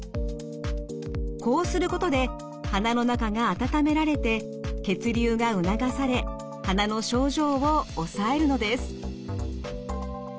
こうすることで鼻の中が温められて血流が促され鼻の症状を抑えるのです。